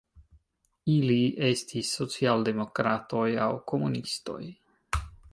Ili estis socialdemokratoj aŭ komunistoj.